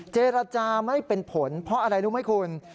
เจรจาไม่เป็นผลเพราะอะไรรู้ไหมคุณ